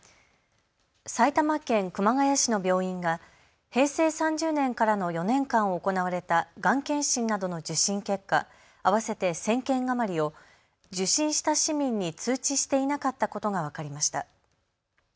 埼玉県熊谷市の病院が平成３０年からの４年間行われたがん検診などの受診結果、合わせて１０００件余りを受診した市民に通知していなかったことが分かりました。